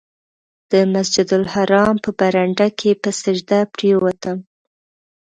د مسجدالحرام په برنډه کې په سجده پرېوتم.